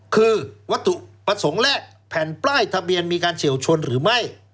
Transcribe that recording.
คือวัตถุประสงค์และแผ่นป้ายทะเบียนมีการเฉียวชนหรือไม่